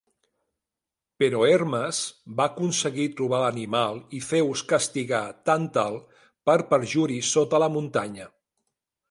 Però Hermes va aconseguir trobar l'animal i Zeus castigà Tàntal per perjuri sota la muntanya.